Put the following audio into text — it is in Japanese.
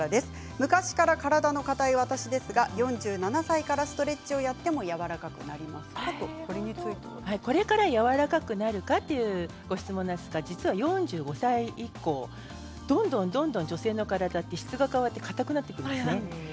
昔から体の硬い私ですが４７歳からストレッチをやってもこれからやわらかくなるかというご質問なんですが、実は４５歳以降どんどん女性の体って質が変わって硬くなってくるんですね。